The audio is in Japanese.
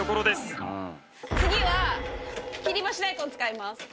次は切り干し大根を使います。